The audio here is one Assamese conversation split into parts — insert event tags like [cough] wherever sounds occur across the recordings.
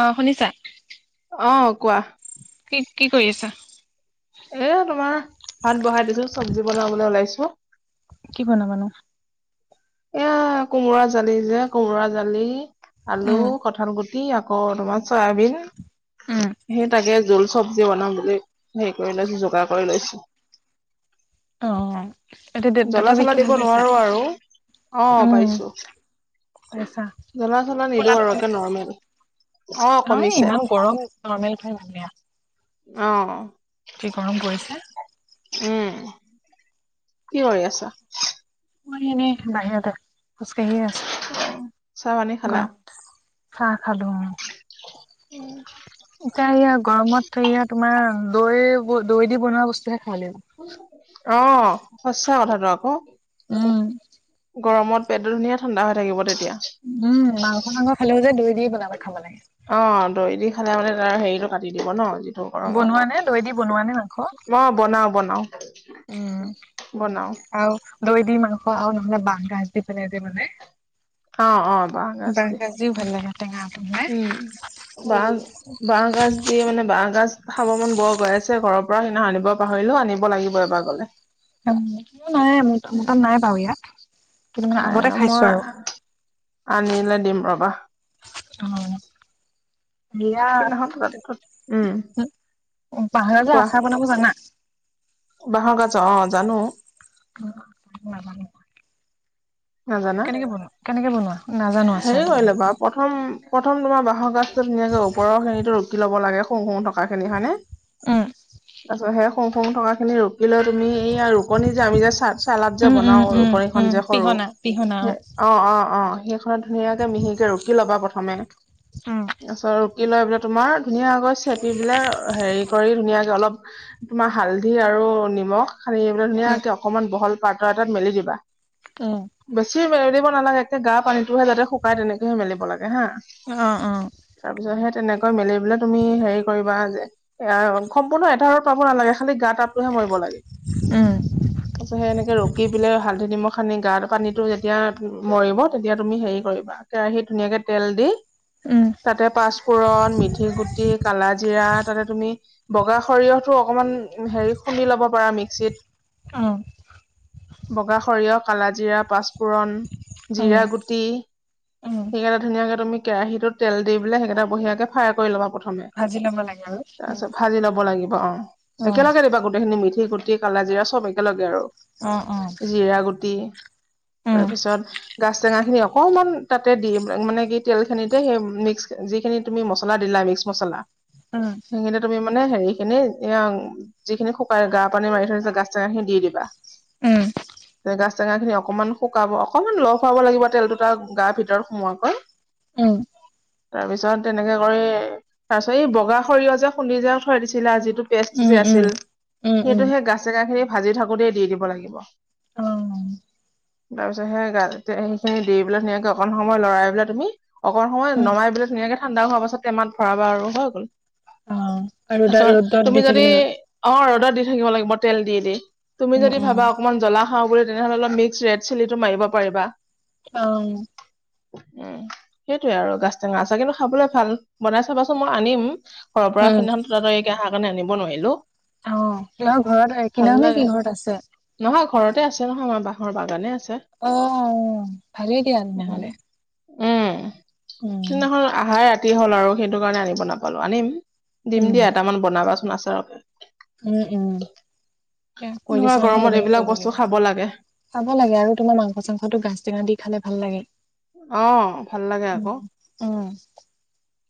অ শুনিছা অ কোৱা কি কি কৰি আছা এ তোমাৰ ভাত বহাই দিছো চব্জি বনাবলৈ ওলাইছো কি বনাবা এয়া কোমোৰা দালি যে কোমোৰা দালি আলু উম কঠাল গুটি কি আকৌ তোমাৰ চয়াবিন উম সেই তাকে জোল চব্জি বনাম বুলি হেৰি কৰি লৈছো যোগাৰ কৰি লৈছো অ এতিয়া দাঁতৰ জ্বলা চলা বিষটো দিব ভাল পাইছা নোৱাৰো আৰু অ পাইছো আছা নিদো ফোলাটো আৰু একে কমছিলে নৰ্মেল অ নহয় কমিছে ইমান গৰম নৰ্মেল থয় মানুহে অ কি গৰম পৰিছে উম কি কৰি আছা এনেই বাহিৰতে খোজকাঢ়িয়ে চাহ পানী আছো গৰম চাহ খালো উম এতিয়া এইয়া গৰমত এয়া তোমাৰ দৈ দৈ দি বনোৱা বস্তুহে খাব লাগিব অ সঁচা কথাটো আক উম গৰমত পেটটো ধুনীয়া ঠাণ্ডা হৈ থাকিব তেতিয়া উম মাংস চাংস খালেও যে দৈ দি বনাব খাব লাগে অ দৈ দি খালে মানে তাৰ হেৰিটো কাটি দিব ন গৰমত বনোৱা নে দৈ দি বনোৱা নে মাংস অ বনাও বনাও উম বনাও আৰু দৈ দি মাংস আৰু নহলে বাঁহ গাজ দি পেলাই দি পেলাই যে বনাই অ অ বাহ গছ দি যি ভাল লাগে টেঙা বনাই উম বা বাহ গাজ দি মানে বাহ গাজ খাব মন বৰ গৈ আছে ঘৰৰ পৰা সেইদিনা আনিব পাহৰিলো আনিব লাগিব এবাৰ কলে মোৰটো নাই মোৰ তাত নাই বাৰু ইয়াত কিন্তু মানে নাই ন আগতে মই খাইছো আৰু আনিলে দিম ৰবা অ দিয়াত সিদিনাখন তাত উম বাঁহ গাজৰ কোৱা আচাৰ বনাব জানা বাঁহৰ গাজৰ অ জানো অ নাজানোঁ নাজানা কেনেকে বনোৱা কেনেকে বনোৱা নাজানো হেৰি আচাৰটো কৰি বনাব লবা প প্ৰথম প্ৰথম তোমাৰ বাঁহৰ গাজটো ধুনীয়াকে ওপৰৰ খিনিটো ৰুকি ল'ব লাগে হুং হুং থকা খিনি হয়নে উম তাৰপছত সেই হুংহুং থকা খিনি ৰু লৈ তুমি এইয়া ৰুকনি যে আমি যে চ চালাদ যে উম উম বনাও উম উম ৰুকনিখন যে সৰু পিহনা পিহনা অ অ অ সেইখনত ধুনীয়াকে মিহিকে ৰুকি লবা প্ৰথমে উম তাৰপিছত কি লৈ পেলে তোমাৰ ধুনীয়াকৈ চেপি বোলে হেৰি কৰি ধুনীয়াকে অলপ তোমাৰ হালধি আৰু নিমখ সানি পেলাই উম ধুনীয়াকে অকমান বহল পাত্ৰ এটাত মেলি দিবা উম বেছি মেলিব নালাগে একে গা পানীটোহে যাতে শুকাই তেনেকেহে মেলিব লাগে হা অ অ তাৰপিছত সেই তেনেকৈ মেলি পেলাই তুমি হেৰি কৰিবা যে সম্পূৰ্ণ এটা ৰ'দ পাব নালাগে খালি গা তাপটোহে মৰিব লাগে উম তাৰ পিছত সেনেকে ৰুকি পেলাই হালধি নিমখ সানি গা পানীটো যেতিয়া মৰিব তেতিয়া তুমি হেৰি কৰিবা কেৰাহিত ধুনীয়াকে তেল দি উম তাতে পাঁচফোৰণ মিঠি গুটি কালাজিৰা তাতে তুমি বগা সৰিয়হতো অকনমান হেৰি খুন্দি লব পাৰা মিক্সিত অঁ। বগা সৰিয়হ, কালাজিৰা, পাঁচফোৰণ, জিৰা গুটি টি উম উম সেইকেইটা ধুনীয়াকে তুমি কেৰাহীটোত তেল দি পেলায় সেইকেইটা বঢ়িয়াকে ফ্ৰাই কৰি ল'বা প্ৰথমে। ভাজি ল'ব লাগে আৰু তাৰ পিছত ভাজি ল'ব লাগিব অঁ' অ একেলগে দিবা গোটেইখিনি মিঠি গুটি, কালা জিৰা চ'ব একেলগে আৰু অ অ জিৰা গুটি উম তাৰপিছত গাছ টেঙাখিনি অকণমান তাতে দি মানে কি তেলখিনিতে সেই মিক্স যিখিনি তুমি মছলা দিলা মিক্স মছলা। উম। সেইখিনি তুমি মানে হেৰি খিনি এ যিখিনি শুকাই গা পানী মাৰি থৈছে [unintelligible] খিনি দি দিবা। উম। গাছ টেঙা খিনি অকনমান শুকাব, অকমান লগ খুৱাব লাগিব তেল দুটা গা ভিতৰত সোমোৱাকৈ। উম তাৰপিছত তেনেকে কৰি তাৰপিছত এই বগা সৰিয়হ যে খুন্দি যে থৈ দিছিলে আৰু যিটো তেজটো উম যে আছিল। উম উম সেইটো উম সেই গাচ টেঙাখিনি ভাজি থাকোতেই দি দিব লাগিব। অ তাৰপিছত সেই গা এ সেইখিনি দি পেলাই ধুনীয়াকে অকন সময় লৰাই পেলাই তুমি অকণ সময় উম নমাই বেলে ধুনীয়াকে ঠাণ্ডা হোৱা পাছত টেমাত ভৰাবা আৰু হৈ গ'ল। অঁ' আৰু ৰদ ৰ'দত দি থাকিলে হ'ল। অঁ' ৰ'দত দি থাকিব লাগিব তেল দি দি, তুমি যদি ভাবা অ অকণমান জ্বলা খাওঁ বুলি তেনেহ'লে অলপ মিক্স ৰেড চিলিটো মাৰিব পাৰিবা। অ'। উমঁ' সেইটোয়ে আৰু গাছ টেঙা আচাৰ, কিন্তু খাবলৈ ভাল, বনাই চাবাচোন মই আনিম। ঘৰৰ পৰা অ সিদিখন তুতাতাৰিকে অহাৰ কাৰণে আনিব নোৱাৰিলো। অহ' [unintelligible] ঘৰত ভাল কিনা নে লাগে। কি ঘৰত আছে? নহয় ঘৰতে আছে নহয় আমাৰ বাঁহৰ বাগানে আছে। অঁ' ভালেই দিয়া তেনেহ'লে। উমঁ' উম সেইদিনাখন আহাই ৰাতি হ'ল আৰু সেইটো কাৰণে আনিব নাপালো, আনিম। উম দিম দিয়া, এটামান বনাবাচোন আচাৰকে। উম, উম। উম, কৰিছা নহয় গৰমত তেনেকে এইবিলাক কৰিব বস্তু লাগিব। খাব লাগে খাব লাগে আৰু তোমাৰ মাংস-চাংসটো গাজ টেঙা দি খালে ভাল লাগে। অঁ' ভাল লাগে উম আকৌ। অ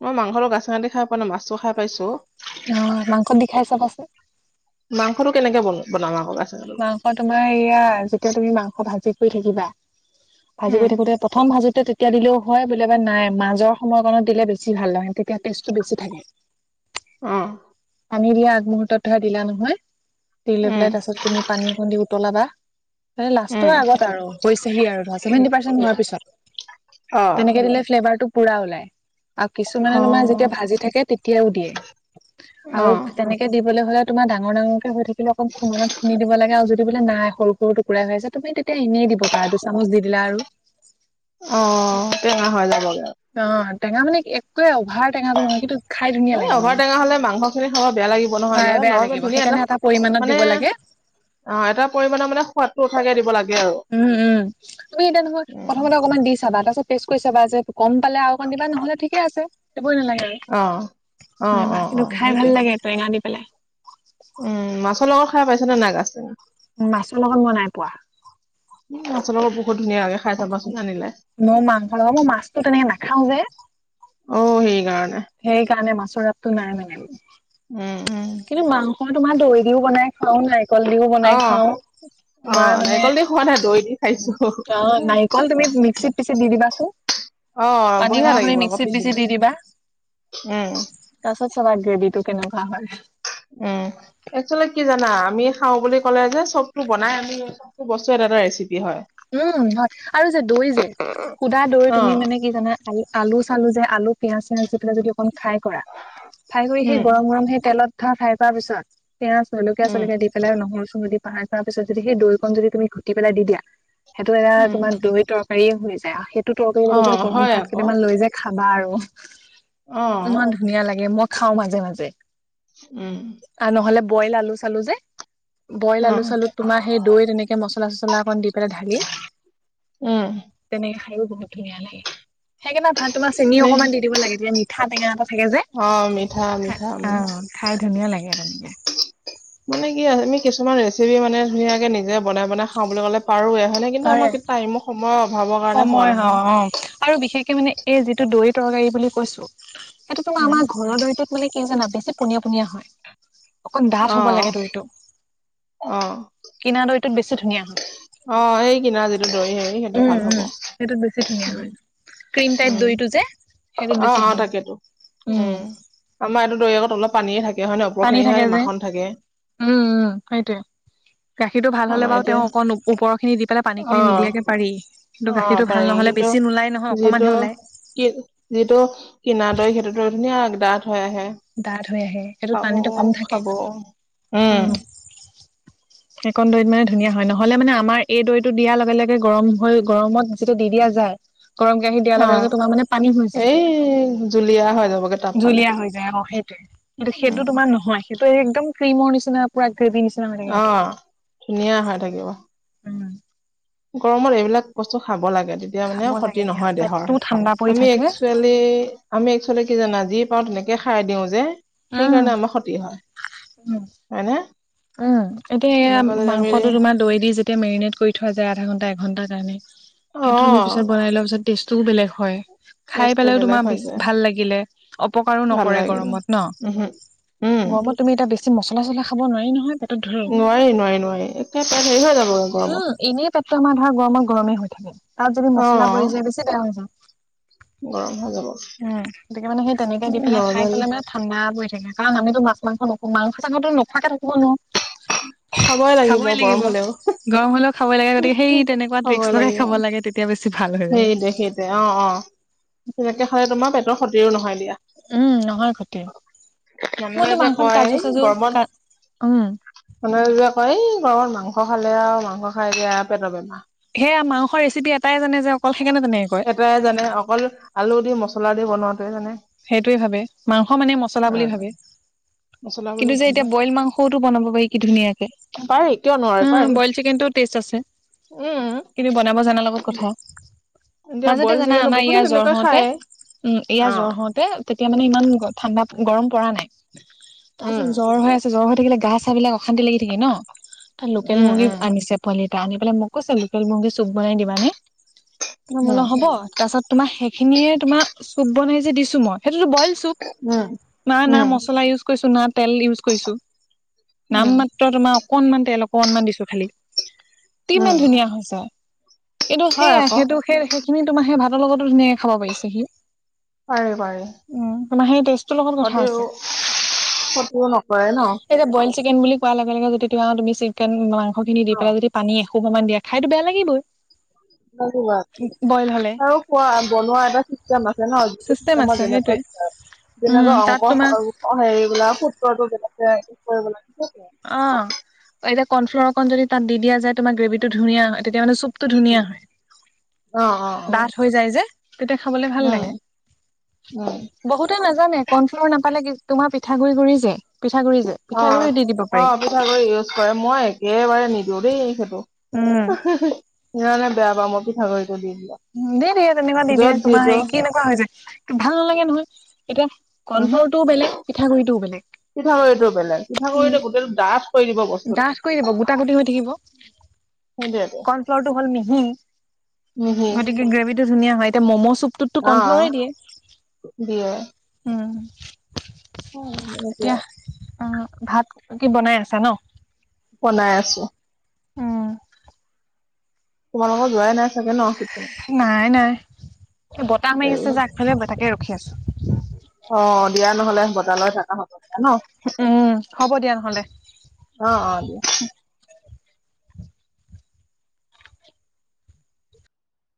মই মাংস লগত গাজ টেঙাদি খাই পোৱা নাই, মাছটো খাই পাইছো। অহ' মাংসত দি খাই চাবা চোন। মাংসটো কেনেকে বন বনাম আকৌ গাজ টেঙাটো মাংস তোমাৰ এইয়া যেতিয়া তুমি মাংস ভাজি কৰি থাকিবা ভাজি উম কৰি থাকোতে প্ৰথম ভাজোতে তেতিয়া দিলেও হয় বোলে বা নাই মাজৰ সময়কণত দিলে বেছি ভাল হয়। তেতিয়া টেষ্টটো বেছি থাকে। অঁ। পানী দিয়া আগমূহুৰ্তত ধৰা দিলা নহয় দি লৈ উম পেলাই তাৰ পাছতে তুমি পানী অকণ দি উতলাবা। মানে উম লাষ্টৰ আগত আৰু হৈছেহি আৰু ধৰা ছেভেন্টি পাৰ্চেণ্ট হোৱাৰ পিছত। অ তেনেকে দিলে ফ্লেভাৰটো পুৰা ওলাই আৰু অ কিছুমানে তোমাৰ যেতিয়া ভাজি থাকে তেতিয়াও দিয়ে। অ আৰু তেনেকে দিবলৈ হ'লে তোমাৰ ডাঙৰ ডাঙৰকে হৈ থাকিলো অকণ খুন্দনাত খুন্দি দিব লাগে আৰু যদি সেইটো বোলে নাই সৰু সৰু টুকুৰাই হৈ আছে, তুমি তেতিয়া এনেই দিব পাৰা দুচামোচ দি দিলা আৰু। অঁ' টেঙা হৈ যাবগে আৰু। অঁ' টেঙা মানে একোৱে অভাৰ টেঙাটো নহয় কিন্তু খাই ধুনীয়া এই লাগে মানে অভাৰটেঙা হ'লে মাংস খিনি খাব বেয়া লাগিব নহয় বেয়া নহয় বেয়া নৰৱে লাগিব ধুনীয়া এটা সেইকাৰণে পৰিমাণত মানে দিব লাগে অ এটা পৰিমাণৰ মানে সোৱাদটো উঠাকে দিব লাগে আৰু উম উম তুমি এতিয়া নহয় উম প্ৰথমতে অকণমান দি চাবা তাৰপাছত পেষ্ট কৰি চাবা যে কম পালে আৰু অকণ দিবা নহ'লে ঠিকে আছে চবই নালাগে অ অ অ আৰু অ কিন্তু খাই সেইটোৱে ভাল লাগে টেঙা দি পেলাই উম মাছৰ লগত খাই পাইছা নে গাছ টেঙা উ মাছৰ মই নাই পোৱা মাছৰ লগত বহুত ধুনীয়া লাগে খাই চাবাচোন আনিলে মই মাংস লগ মই মাছতো তেনেকে নাখাও যে অঔ সেই কাৰণে সেইকাৰণে মাছৰ আপতটো নাই মানে উম উম কিন্তু মাংস তোমাৰ দৈ দিও বনাই খাও নাৰিকল দিও অ বনাই খাও। অ তোমাৰ মানে নাৰিকল দি খোৱা নাই দৈ দি খাইছো অ, নাৰিকল তুমি মিক্সিত পিছি দি দিবাচোন। অ পানী বঢ়িয়া অকণৰ সতি লাগিব আকৌ মিক্সিত পিচি দি দিলে দিবা। উম তাৰপাছত চবা গ্ৰেভিটো কেনেকুৱা হয়। উম। [unintelligible] কি জানা আমি খাওঁ বুলি ক'লে যে চবটো বনাই আমি চবতটো বস্তু এটা এটা ৰেচিপি হয়। উম, হয় আৰু যে দৈ যে সুদা দৈ অ তুমি মানে কি জানা আলু আলু-চালু যে আলু পিয়াজ-চিয়াজ দি পেলাই যদি অকমান ফ্ৰাই কৰা, ফ্ৰাই কৰি সেই উম গৰম-গৰম সেই তেলত ধৰা ফ্ৰাই কৰা পিছত পিয়াজ উম জলকীয়া-চলকীয়া দি পেলাই নহৰু-চহৰু দি [unintelligible] পিছত যদি সেই দৈকন যদি তুমি ঘুটি পেলাই দি দিয়া, সেইটো এটা উম তোমাৰ দৈ তৰকাৰী হৈ যায় আৰু সেইটো তৰকাৰিৰ অ লগত যে গৰম হয় ভাত আকৌ কেইটামান লৈ যে খাবা আৰু অ ইমান ধুনীয়া লাগে মই খাও মাজে-মাজে। উম। আৰু নহ'লে বইল আলু চালু যে বইল অ আলু চালুত তোমাৰ সেই দৈ তেনেকে মচলা চচলা অকণ দি পেলাই ঢাকি উম তেনেকে খায়ও বহুত ধুনীয়া লাগে। সেইকেইটা ভাত তোমাৰ চেনি এনে অকণমান দি দিব লাগে তেতিয়া মিঠা টেঙা এটা থাকে যে অ মিঠা মিঠা উম অ খাই ধুনীয়া লাগে তেনেকে মানে কি আমি কিছুমান ৰেচিপি মানে ধুনীয়াকে নিজে বনাই বনাই খাওঁ বুলি ক'লে পাৰো হয় নে কিন্তু পাৰে আমাৰ টাইমৰ সময়ৰ অভাৱৰ কাৰণে খোৱা সময় হয় নহয় অ আৰু বিশেষকে মানে এই যিটো দৈ তৰকাৰী বুলি কৈছো এইটো তোমাৰ উম আমাৰ ঘৰৰ দৈটোত বোলে কি জানা বেছি পনীয়া পনীয়া হয়। অকণ ডাঠ অ হ'ব লাগে দৈটো অ কিনা দৈটোত বেছি ধুনীয়া হয়। অ সেই কিনাৰ যিটো দৈ হেৰি সেইটো ভাল উ হ'ব। সেইটোত বেছি ধুনীয়া উম হয় ক্ৰীম টাইপ উম দৈটো যে সেইটোত অ বেছি অ ভাল হয়। তাকেতো উম আমাৰ এইটো দৈ আকৌ তলত পানীয়ে থাকে হয় ন পানী ওপৰখিনিহে থাকে যে মাখন থাকে। উম উম সেইটোৱে গাখীৰটো ভাল হলে আমাৰ বাৰু এতিয়া তেওঁ অক ওপৰৰখিনি দি পেলাই অ পানীখিনি নিদিয়াকে পাৰি কিন্তু অ গাখীৰটো ভাল পাৰি নহ'লে কিন্তু বেছি নোলাই নহয় অকমানহে যিহেতু ওলাই কি যিটো কিনা দৈ সেইটো টো ধুনীয়াকে দাথ হৈ আহে ডাত হৈ আহে সেইটো খাব পানীটো কম থাকে খাব উম সেইকণ দৈত মানে ধুনীয়া হয় নহলে মানে আমাৰ এই দৈটো দিয়াৰ লগে লগে গৰম হৈ গৰমত এইটো দি দিয়া যায়। গৰম কেৰাহীত দিয়াৰ লগে অ লগে তোমাৰ মানে পানী হৈ যায়, এই জুলীয়া হৈ যাবগে তাপ পালে জুলিয়া হৈ যায় অঁ সেইটোয়ে। কিন্তু উম সেইটো তোমাৰ নহয়, সেইটো একদম ক্ৰীমৰ নিচিনা পুৰা গ্ৰেভি নিচি অহঁ ধুনীয়া হৈ থাকিব। উম। গৰমত এইবিলাক বস্তু খাব লাগে, তেতিয়া মানে খাব লাগে ক্ষতি দিয়া নহয় দেহৰ পেটটোও ঠাণ্ডা ন। পৰি আমি থাকে এক্সুৱেল মি আমি এক্সুৱেল কি জানা যি পাওঁ তেনেকে খাই দিওঁ যে। উম, সেইকাৰণে আমাৰ ক্ষতি হয়। উম হয়নে উম এইটো এয়া এনেকুৱা যদি আমি মাংসটো তোমাৰ দৈ দি যেতিয়া মেৰিনেট কৰি থোৱা যায় আধা ঘণ্টা এঘন্টাৰ কাৰণে অ সেইটো তুমি পিছত বনাই লোৱা পিছত টেষ্টটোও বেলেগ হয়। খাই টেষ্টটো পেলাইও বেলেগ তোমাৰ হৈ বেছি যায় ভাল লাগিলে অপকাৰো ভাল নকৰে লাগিল গৰমত ন। উহু উম গৰমত তুমি এতিয়া বেছি মছলা চছলা খাব নোৱাৰি ন। নোৱাৰি নোৱাৰি নোৱাৰি একে তাৰে হেৰি হৈ যাব আৰু গৰমত। উম, এনেই পেটটো আমাৰ ধৰা গৰমত গৰমে হৈ থাকে, তাত যদি অ মছলা পৰি যায় বেছি বেয়া হৈ যায়। গৰম হৈ যাব উম, গতিকে মানে সেই তেনেকে দি পেলাই খাই নৰ্মেল পেলাই মানে ঠাণ্ডা পৰি থাকে, কাৰণ আমিতো মাছটো মাংসতো নহুমাও মাছ মাংসটো ত নোখোৱাকে থাকিব নোৱাৰো। খাবই লাগিব গৰম হলেও। গৰম হলেও খাব লাগে, গতিকে সেই তেনেকুৱা খাবই ট্ৰিক্স লগাই লাগিব খাব লাগে তেতিয়া বেছি ভাল হয়। সেইটোৱে সেইটোৱে, অঁ অঁ তেনেকে হলে তোমাৰ পেটৰ ক্ষতিয়ো নহয় দিয়া। উম নহয় ক্ষতি মানুহে মইতো যে মাংসত কয় কাজু চাজু কা উম। মানুহজনে কয় এই ঘৰত মাংস খালে আৰু মাংস খাই এয়া পেটৰ বেমাৰ। সেয়া মাংস ৰেচিপি এটাই জানে যে অকল সেইকাৰণে তেনেকে কয়। তাই জানে অকল আলু দি মছলা দি বনোৱাতোৱে জানে। সেইটোৱে ভাৱে, মাংস মানে মচলা বুলি উম ভাবে। মছলা বুলি কিন্তু যে ভাবে এতিয়া বইল মাংসওটো বনাব পাৰি কি ধুনীয়াকে। পাৰি কিয় নোৱাৰে অঁ পাৰি বইল চিকেনটো টেষ্ট আছে, উম কিন্তু বনাব জানাৰ লগত কথা। এতিয়া মাজতে বইল জানা চিকেনো আমাৰ বহুতে ইয়াৰ জ্বৰ তেনেকৈ হওতে খায় উম ইয়াৰ অ জ্বৰ হওঁ তে তেতিয়া মানে ইমান ঠাণ্ডাত গৰম পৰা নাই। তাৰ উম পিছত জ্বৰ হৈ আছে জ্বৰ হৈ থাকিলে গা চা বিলাক অশান্তি লাগি থাকে ন, তাৰ লোকেল উম মুৰ্গী উম আনিছে পোৱালিত। এ আনি পেলাই মোক কৈছে লোকেল মুৰ্গী চুপ বনাই দিবানে মই বোলো উম হ'ব। তাৰপাছত তোমাৰ সেইখিনিয়ে তোমাৰ চুপ বনাই যে দিছো মই, সেইটোতো বইল চুপ, উম না না উম মচলা ইউজ কৰিছো না তেল ইউজ কৰিছো, নাম উম মা ত্ৰ তোমাৰ অকনমান তেল অকনমান দিছো খালি, কিমান উম ধুনীয়া হৈছে। এইটো হয় সেয়া আকৌ সেইটো সেই সেইখিনি তোমা সে ভাতৰ লগতো ধুনীয়াকে খাব পাৰিছে সি। পাৰি পাৰি। উম তোমা সেই টেষ্ট ক্ষতি ক্ষতিও নকৰে ন। এতিয়া বইল চিকেন বুলি কোৱাৰ লগে লগে যদি তোমা তুমি চিকেন মাংস খিনি দি অ পেলাই যদি পানী আহঁ অকণমান দিয়া খাইটো বেয়া লাগিবই। মৰ্ণী বইল হলে ৱাৰ্ক আৰু খোৱা বনোৱা এটা চিষ্টেম আছে ন, তে যিটো চিষ্টেম চিষ্টেমত আছে সেইটোৱে যেনেকৈ উম যেনেকৈ তাত অংক তোমাৰ অ হেৰি বোলা সূত্ৰটো কেনেকে কি কৰিব লাগে সেইটোৱে আও। অঁ এতিয়া কৰ্ণফ্লাৰ অকণ যদি তাত দি দিয়া যায়, তোমাৰ গ্ৰেভি টো ধুনীয়া হয় তেতিয়া মানে চুপ টো ধুনীয়া। অ', অ', অ', ডাঠ হৈ যায় যে তেতিয়া খাবলে ভাল উম, লাগে। উম। বহুতে নাজানে কনফ্লৰ নাপালে কি তোমাৰ পিঠা গুৰি় গুৰি যে পিঠাগুৰি যে পিঠাগুৰি দি দিব। পাৰি অঁ পিঠাগুড়ি ইউজ কৰে মই একেবাৰে নিদিওঁ দেই সেইটো। উম সেইকাৰণে বেয়া পাওঁ মই পিঠাগু়টো। দি দিয়ে তেনেকুৱা দি দিয়ে তোমাৰ হেৰি কেনেকুৱা হৈ যায় ভাল নালাগে নহয়। এতিয়া কলফ্লৰটোও বেলেগ পিঠাগুড়িটোও বেলেগ। পিঠা গুৰিটো বেলেগ পিঠা উম গুৰিটো গোটেইটো ডাঁঠ ডাঠ কৰি দিব। গোটা গুটি হৈ থাকিব কন সেইটোৱেটো। কনফ্লৰটো হ'ল মিহি মিহি গতিকে গ্ৰেভি টো ধুনীয় হয়। এতিয়ান মম চুপ টোত ত' অ', কৰনফ্লৰে দিয়ে। উম হয় [unintelligible] আৰু অঁ ভাত কি বনাই আছা ন। বনাই আছো। তোমালোকৰ যোৱাই নাই চাগে ন সেইফালে নাই নাই। এ বতাহ মাৰি দেৰি আছে যে হ'ল। আগফালে বতাকে ৰখি আছো। অঁ দিয়া নহ'লে বতালৈ থকা হতে ন। উ উম। হ'ব দিয়া নহ'লে অঁ অঁ দিয়া।